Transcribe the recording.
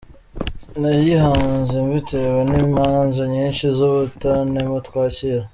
Nayihanze mbitewe n’imanza nyinshi z’ubutanem twakira.